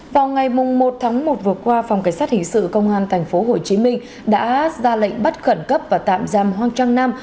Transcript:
vào ngày một tháng một vừa qua phòng cảnh sát hình sự công an tp hcm đã ra lệnh bắt khẩn cấp và tạm giam hoang trang nam